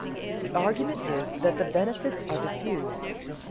The argument is that the benefits are diffused.